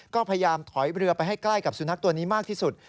ก็พยายามถอยเรือไปให้ใกล้กับสุนัขตัวนี้มากที่สุด